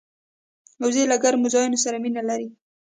وزې له ګرمو ځایونو سره مینه لري